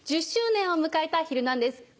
１０周年を迎えた『ヒルナンデス！』